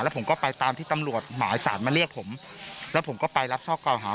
ผมก็ไปตามที่ตำรวจหมายสารมาเรียกผมแล้วผมก็ไปรับทราบเก่าหา